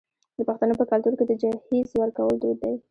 د پښتنو په کلتور کې د جهیز ورکول دود دی.